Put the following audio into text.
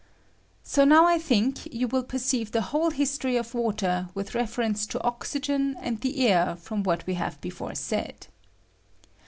So now I think you will perceive the whole history of water with reference to oxygen and the air from what we have before said.